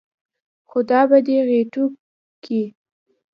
خدا به دې ِغوټېو کې